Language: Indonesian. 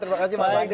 terima kasih mas andi